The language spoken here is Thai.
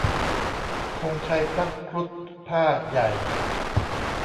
ธงชัยพระครุฑพ่าห์ใหญ่